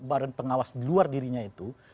badan pengawas di luar dirinya itu